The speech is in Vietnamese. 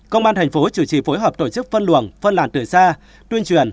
công an thành phố chủ trì phối hợp tổ chức phân luồng phân làn từ xa tuyên truyền